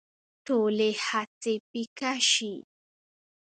ټولې هڅې پيکه شي